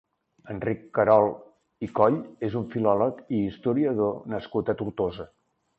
Enric Querol i Coll és un filòleg i historiador nascut a Tortosa.